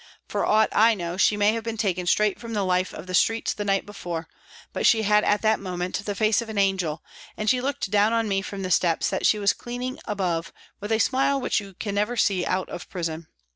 For aught I knew she may have been taken straight from the life of the streets the night before, but she had at that moment the face of an angel, and she looked down on me from the steps that she was cleaning above with a smile which you can never see out of prison.